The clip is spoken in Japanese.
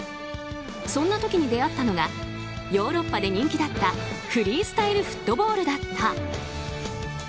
そんな時に出会ったのがヨーロッパで人気だったフリースタイルフットボールだった。